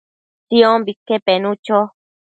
Siombique penu cho